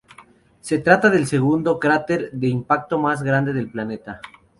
Se trata del segundo cráter de impacto más grande del planeta.